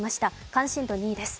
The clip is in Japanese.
関心度２位です。